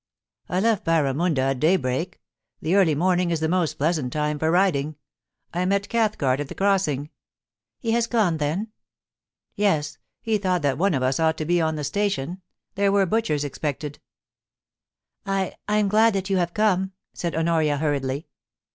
* I left Barramunda at daybreak. The early morning is the most pleasant time for riding. I met Cathcart at the Crossing.' * He has gone, then ?* *Yes; he thought that one of us ought to be on the station. There were butchers expected.' *I — I am glad that you have come,' said Honoria, hurriedly.